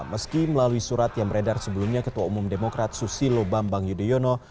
meski melalui surat yang beredar sebelumnya ketua umum demokrat susilo bambang yudhoyono